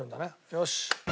よし！